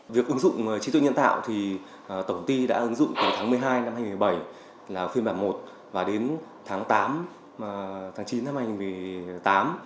việc ứng dụng trí tuệ nhân tạo thì tổng ty đã ứng dụng từ tháng một mươi hai năm hai nghìn một mươi bảy là phiên bản một và đến tháng tám tháng chín năm hai nghìn tám